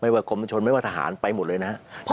ว่ากรมชนไม่ว่าทหารไปหมดเลยนะครับ